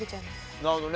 なるほどね。